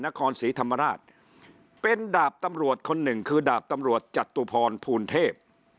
นครศรีธรรมราชเป็นดาบตำรวจคนหนึ่งคือดาบตำรวจจตุพรภูณเทพ